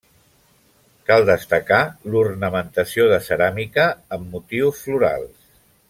Cal destacar l'ornamentació de ceràmica, amb motius florals.